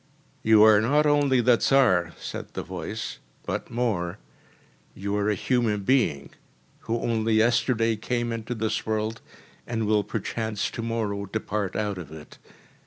“You are not only the Tsar,‚ÄĚ said the voice, “but more. You are a human being, who only yesterday came into this world, and will perchance to morrow depart out of it.